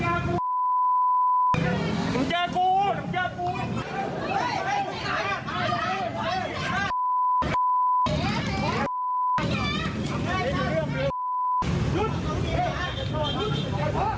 วหลุงประจำอศิลปะ